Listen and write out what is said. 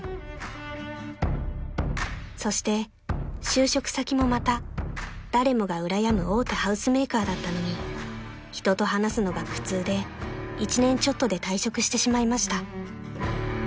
［そして就職先もまた誰もがうらやむ大手ハウスメーカーだったのに人と話すのが苦痛で１年ちょっとで退職してしまいました］